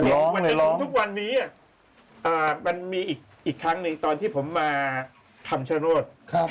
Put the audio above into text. ร้องเลยร้องทุกวันนี้มันมีอีกครั้งหนึ่งตอนที่ผมมาคำชาวโน้ต